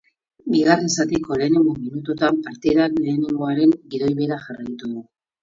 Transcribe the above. Bigarren zatiko lehenengo minutuetan partidak lehenengoaren gidoi bera jarraitu du.